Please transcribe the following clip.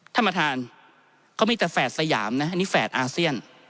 ท่านประธานเขามีแต่แฝดสยามนะอันนี้แฝดอาเซียน